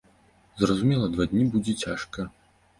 Зразумела, два дні будзе цяжка.